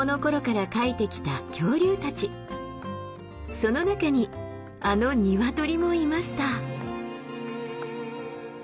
その中にあのニワトリもいました。